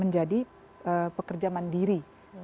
menjadi pekerja mandiri